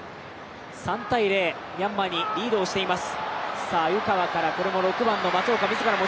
３−０、ミャンマーにリードをしています。